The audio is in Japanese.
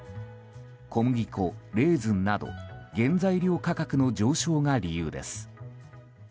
小麦粉、レーズンなど原材料価格の上昇が理由です。